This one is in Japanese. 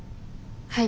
はい。